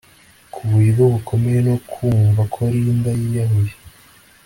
kuburyo bukomeye no kumva ko Linda yiyahuye